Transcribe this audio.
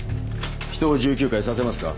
人を１９回刺せますか？